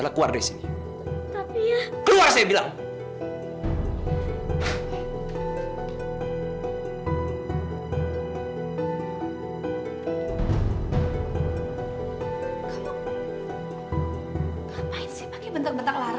mau dibawa kemana sih lara